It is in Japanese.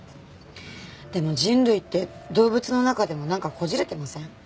でも人類って動物の中でもなんかこじれてません？